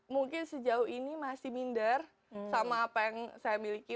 mungkin sejauh ini masih minder sama apa yang saya miliki